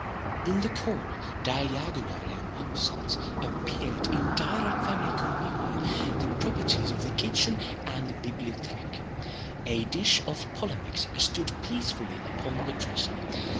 In the corner diagonary opposite, appeared, in direct family communion, the properties of the kitchen and the bibliotheque. A dish of polemics stood peacefully upon the dresser.